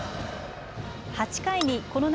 ８回にこの夏